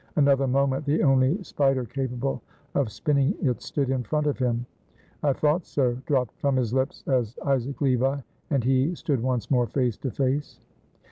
Another moment the only spider capable of spinning it stood in front of him. "I thought so," dropped from his lips as Isaac Levi and he stood once more face to face.